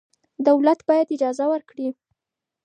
دولت باید اجازه ورکړي.